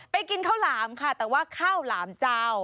กินข้าวหลามค่ะแต่ว่าข้าวหลามเจ้า